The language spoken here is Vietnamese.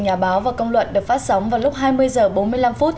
nhà báo và công luận được phát sóng vào lúc hai mươi h bốn mươi năm